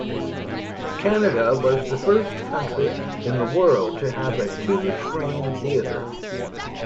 Canada was the first country in the world to have a two-screen theater.